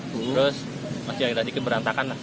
terus masih agak dikit berantakan lah